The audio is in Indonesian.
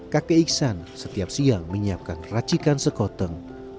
kakek iksan setiap siang menyiapkan racikan sekoteng